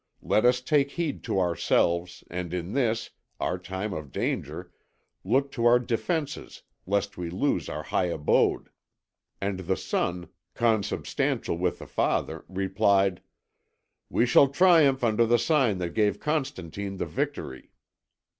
Let us take heed to ourselves, and in this, our time of danger, look to our defences, lest we lose our high abode." And the Son, consubstantial with the Father, replied: "We shall triumph under the sign that gave Constantine the victory."